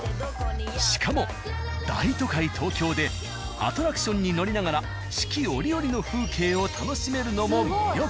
しかも大都会東京でアトラクションに乗りながら四季折々の風景を楽しめるのも魅力。